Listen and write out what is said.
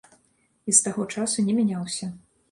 І з таго часу не мяняўся.